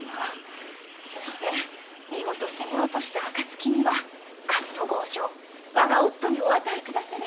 そして見事攻め落とした暁には上ノ郷城我が夫にお与えくだされ！